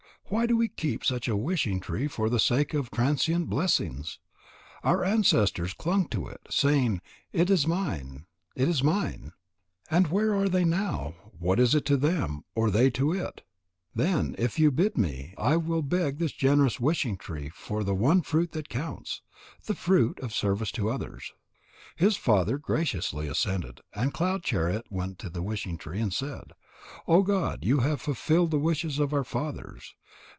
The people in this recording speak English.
Why do we keep such a wishing tree for the sake of transient blessings? Our ancestors clung to it, saying: It is mine, it is mine.' And where are they now? What is it to them, or they to it? Then, if you bid me, I will beg this generous wishing tree for the one fruit that counts, the fruit of service to others." His father graciously assented, and Cloud chariot went to the wishing tree, and said: "O god, you have fulfilled the wishes of our fathers.